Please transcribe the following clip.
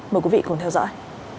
mời quý vị cùng theo dõi